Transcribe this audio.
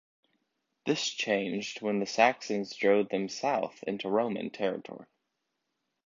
This changed when the Saxons drove them south into Roman territory.